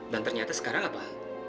dan ternyata sekarang apa